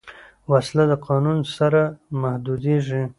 وسله د قانون سره محدودېږي